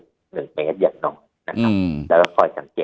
แล้วก็คอยสังเกตอาการตนเองว่าเราไม่สบายอย่างไรบ้างไหม